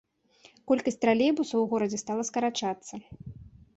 Колькасць тралейбусаў у горадзе стала скарачацца.